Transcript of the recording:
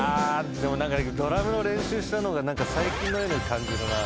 でも何かドラムの練習したのが最近のように感じるな。